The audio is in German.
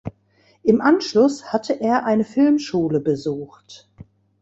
Im Anschluss hatte er eine Filmschule besucht.